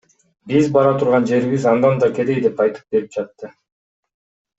Биз бара турган жерибиз андан да кедей деп айтып берип жатты.